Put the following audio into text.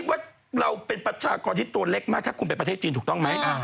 ว่าเราเป็นประชากรที่ตัวเล็กมากถ้าคุณไปประเทศจีนถูกต้องไหม